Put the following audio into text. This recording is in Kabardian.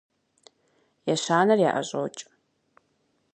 Ещанэр яӀэщӀокӀ.